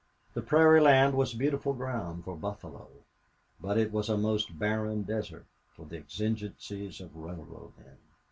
The prairie land was beautiful ground for buffalo, but it was a most barren desert for the exigencies of railroad men.